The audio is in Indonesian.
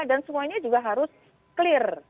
dan semuanya juga harus clear